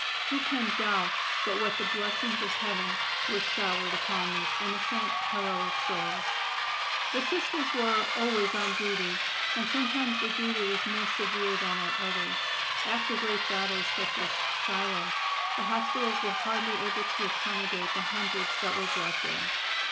Who can doubt but what the blessings of heaven were showered upon these innocent, heroic souls? The Sisters were "always on duty," and sometimes the duty was more severe than at others. After great battles, such as Shiloh, the hospitals were hardly able to accommodate the hundreds that were brought there.